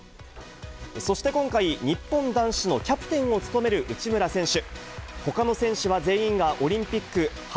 そして今回、日本男子のキャプテンを務める内村選手。